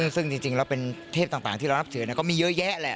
ซึ่งจริงแล้วเป็นเทพต่างที่เรานับถือก็มีเยอะแยะแหละ